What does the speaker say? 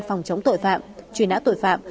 phòng chống tội phạm chuyên áo tội phạm